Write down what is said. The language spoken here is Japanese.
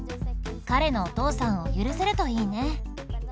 彼のお父さんを許せるといいね。